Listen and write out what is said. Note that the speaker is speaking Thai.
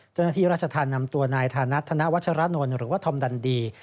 จนทีราชทันนำตัวนายธนาธนาธนวัชรนรหรือว่าธอมดันดี